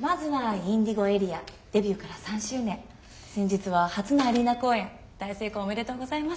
まずはＩｎｄｉｇｏＡＲＥＡデビューから３周年先日は初のアリーナ公演大成功おめでとうございます。